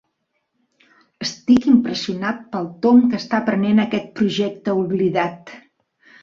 Estic impressionat pel tomb que està prenent aquest projecte oblidat.